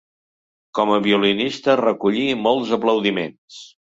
Com a violinista recollí molts aplaudiments.